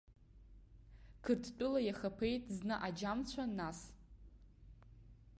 Қырҭтәыла иахаԥеит зны аџьамцәа, нас.